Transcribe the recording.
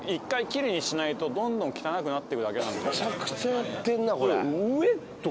ここをむちゃくちゃやってんなこれ。